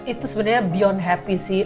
itu sebenarnya beyond happy sih